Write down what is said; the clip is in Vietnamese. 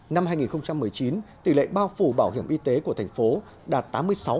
năm hai nghìn một mươi chín tỷ lệ bao phủ bảo hiểm y tế của thành phố đạt tám mươi sáu